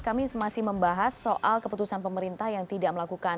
kami masih membahas soal keputusan pemerintah yang tidak melakukan